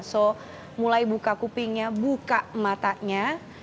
so mulai buka kupingnya buka matanya